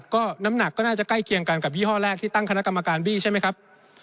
ก็น้ำหนักก็น่าจะใกล้เคียงกันกับยี่ห้อแรกที่ตั้งคณะกรรมการบี้ใช่ไหมครับ